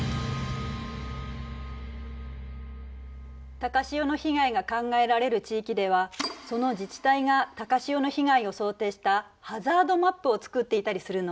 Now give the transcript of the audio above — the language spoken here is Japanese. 高潮の被害が考えられる地域ではその自治体が高潮の被害を想定したハザードマップを作っていたりするの。